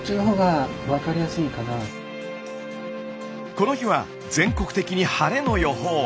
この日は全国的に晴れの予報。